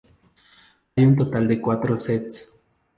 Hay un total de cuatro sets.